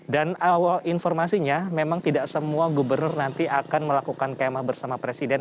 dan informasinya memang tidak semua gubernur nanti akan melakukan kemah bersama presiden